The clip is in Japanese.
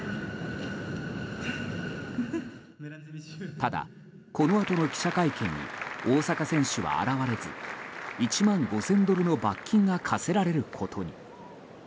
ただ、このあとの記者会見に大坂選手は現れず１万５０００ドルの罰金が科せられることに。